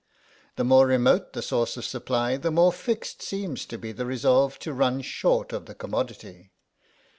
The more remote the source of supply the more fixed seems to be the resolve to run short of the commodity.